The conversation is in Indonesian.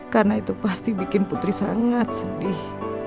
karena itu pasti bikin putri sangat sedih